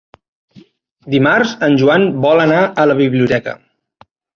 Dimarts en Joan vol anar a la biblioteca.